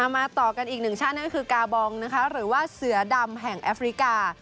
มาต่อกันอีกหนึ่งท่านนั่นก็คือกาบองนะคะหรือว่าเสือดำแห่งแอฟริกา